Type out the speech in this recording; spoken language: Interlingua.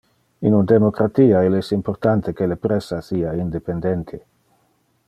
In un democratia il es importante que le pressa sia independente.